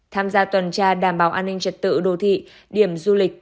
tham gia tuần tra đảm bảo an ninh trật tự đô thị điểm du lịch